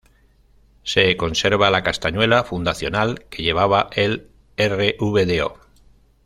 Se conserva la castañuela fundacional que llevaba el Rvdo.